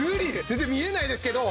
全然見えないですけど。